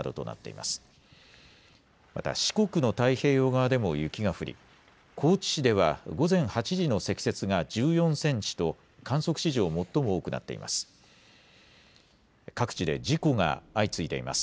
また四国の太平洋側でも雪が降り高知市では午前８時の積雪が１４センチと観測史上、最も多くなっています。